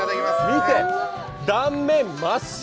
見て、断面真っ白。